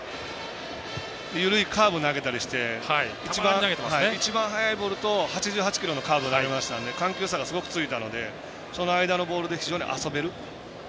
緩いカーブ投げたりして一番速いボールと８８キロのカーブ投げたので緩急差が、すごくついたのでその間のボールで非常に遊べる。